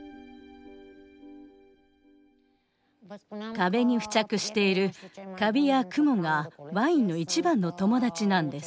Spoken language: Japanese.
壁に付着しているカビやクモがワインの一番の友達なんです。